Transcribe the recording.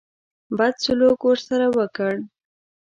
بد سلوک ورسره وکړ.